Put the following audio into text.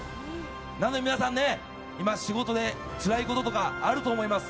なので皆さん、今、仕事でつらいこととかあると思います。